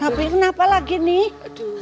tapi kenapa lagi nih